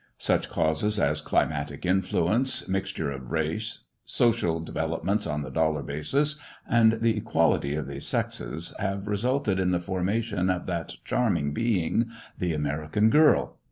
Such causes as climatic influence, mixture of race, social developments on the dollar basis, and the equality of the sexes have resulted in the formation of that charming being — ^the American girl.